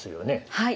はい。